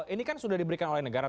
ini kan sudah diberikan oleh negara